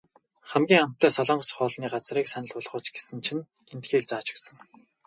Хамгийн амттай солонгос хоолны газрыг санал болгооч гэсэн чинь эндхийг зааж өгсөн.